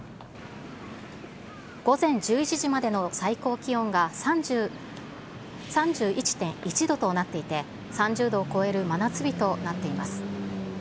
午前１１時までの最高気温が３１．１度となっていて、３０度を超える真夏日となっています。